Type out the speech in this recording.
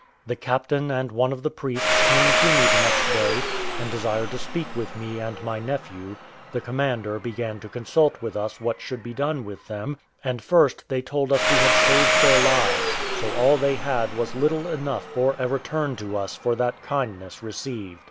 The captain and one of the priests came to me the next day, and desired to speak with me and my nephew; the commander began to consult with us what should be done with them; and first, they told us we had saved their lives, so all they had was little enough for a return to us for that kindness received.